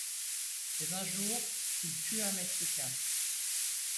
Mais un jour, il tue un Mexicain.